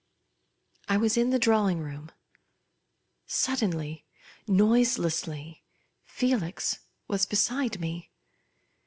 I was in the drawing room. Suddenly, noiselessly, Felix was beside me.